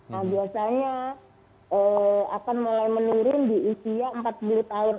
nah biasanya akan mulai menurun di usia empat puluh tahun